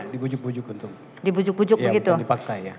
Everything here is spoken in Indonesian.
dibujuk bujuk untuk dipaksa